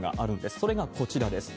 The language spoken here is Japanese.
それがこちらです。